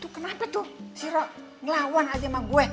kenapa tuh si rob ngelawan aja sama gue